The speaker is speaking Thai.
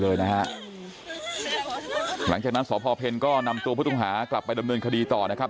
หลังจากนั้นสพเพลก็นำตัวผู้ต้องหากลับไปดำเนินคดีต่อนะครับ